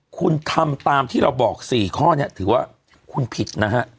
คุณทำตามที่เราบอก๔ข้อนี้ถือว่าคุณผิดนะฮะ